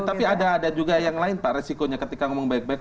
tapi ada juga yang lain pak resikonya ketika ngomong baik baik